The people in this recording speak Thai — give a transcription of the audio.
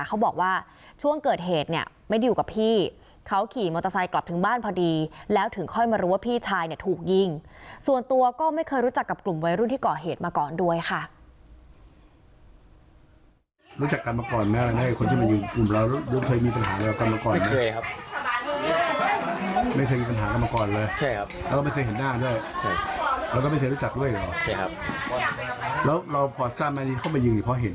เขาบอกว่าช่วงเกิดเหตุไม่ได้อยู่กับพี่